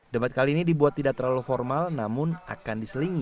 debat kali ini dibuat tidak terlalu formal namun akan diselingi